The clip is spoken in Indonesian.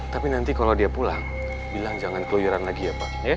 tapi nanti kalau dia pulang bilang jangan keluyuran lagi ya pak